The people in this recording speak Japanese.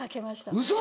ウソ！